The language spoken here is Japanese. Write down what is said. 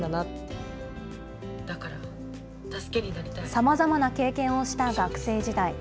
さまざまな経験をした学生時代。